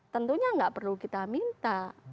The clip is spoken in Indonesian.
tentunya nggak perlu kita minta